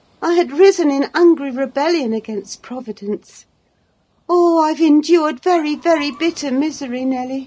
I had risen in angry rebellion against Providence. Oh, I've endured very, very bitter misery, Nelly!